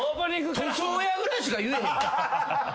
塗装屋ぐらいしか言えへんで。